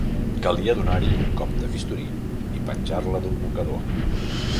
Calia donar-hi un cop de bisturí i penjar-la d'un mocador